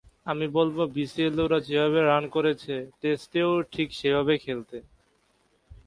আমি বলব, বিসিএলে ওরা যেভাবে রান করেছে, টেস্টেও ঠিক সেভাবে খেলতে।